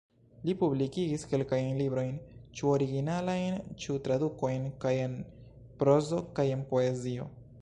Li publikigis kelkajn librojn, ĉu originalajn ĉu tradukojn, kaj en prozo kaj en poezio.